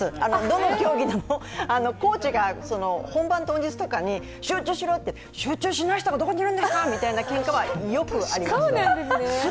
どの競技でもコーチが本番当日とかに集中しろって、集中しない人がどこにいるんですかっていうけんかは、よくあります。